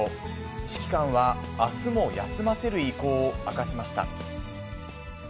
指揮官は、あすも休ませる意向を明かしました。